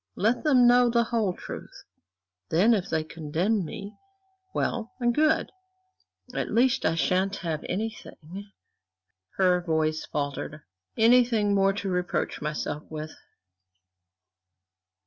Let them know the whole truth; then, if they condemn me, well and good. At least I shan't have anything" her voice faltered "anything more to reproach myself with."